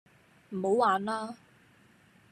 唔好玩啦